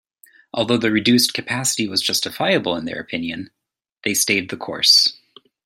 Although the reduced capacity was justifiable in their opinion, they stayed the course.